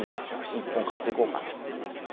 じゃあ節一本買っていこうかな」って言って。